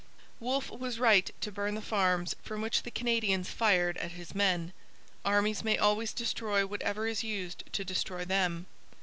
Wolfe was right to burn the farms from which the Canadians fired at his men. Armies may always destroy whatever is used to destroy them.